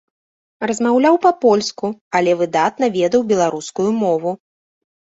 Размаўляў па-польску, але выдатна ведаў беларускую мову.